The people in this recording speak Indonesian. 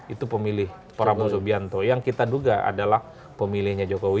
itu pemilih prabowo subianto yang kita duga adalah pemilihnya jokowi